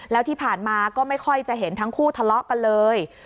แล้วที่ผ่านมาก็ไม่ค่อยจะเห็นทั้งคู่ทะเลาะกันเลย